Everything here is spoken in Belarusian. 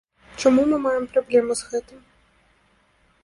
Чаму мы маем праблему з гэтым?